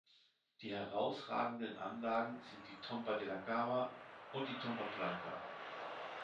Die herausragenden Anlagen sind die „Tomba della Cava“ und die "Tomba Branca".